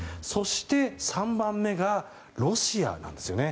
そして３番目がロシアなんです。